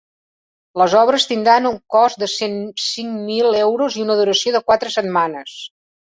Les obres tindran un cost de cent cinc mil euros i una duració de quatre setmanes.